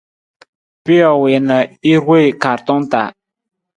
Pijo wii na i ruwee kaartong taa.